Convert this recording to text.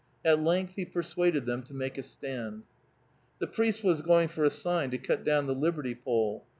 At length he persuaded them to make a stand. The priest was going for a sign to cut down the liberty pole.